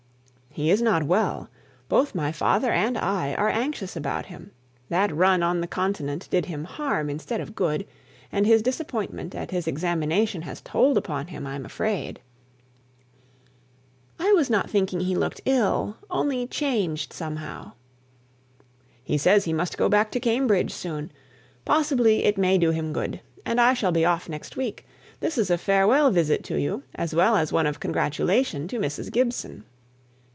"He is not well. Both my father and I are anxious about him. That run on the Continent did him harm, instead of good; and his disappointment at his examination has told upon him, I'm afraid." "I was not thinking he looked ill; only changed somehow." "He says he must go back to Cambridge soon. Possibly it may do him good; and I shall be off next week. This is a farewell visit to you, as well as one of congratulation to Mrs. Gibson."